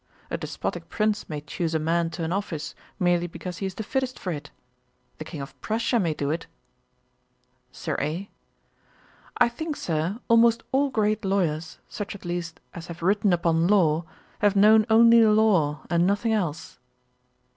A despotick prince may choose a man to an office, merely because he is the fittest for it. The King of Prussia may do it.' SIR A. 'I think, Sir, almost all great lawyers, such at least as have written upon law, have known only law, and nothing else.'